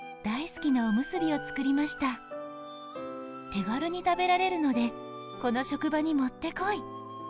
「手軽に食べられるので、この職場にもってこい！